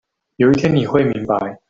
有一天你會明白